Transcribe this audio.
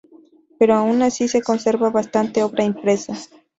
Pero aun así se conserva bastante obra impresa.